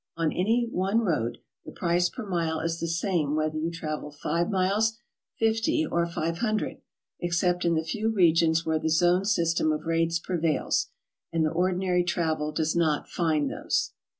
On any one road, the price per mile is the same whether you travel five miles, fifty, or five hundred, except in the few re gions where the zone system of rates prevails, and the ordi nary travel does not find those.